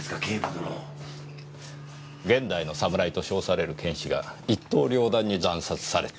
「現代の侍」と称される剣士が一刀両断に斬殺された。